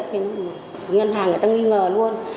thì ngân hàng người ta nghi ngờ luôn